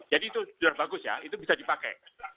jadi itu sudah bagus ya itu bisa dipakai